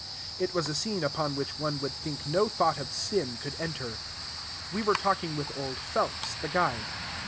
It was a scene upon which one would think no thought of sin could enter. We were talking with old Phelps, the guide.